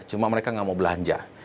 cuma mereka nggak mau belanja